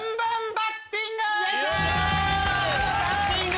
バッティング！